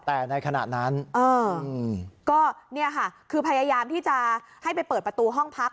แต่ในขณะนั้นก็เนี่ยค่ะคือพยายามที่จะให้ไปเปิดประตูห้องพัก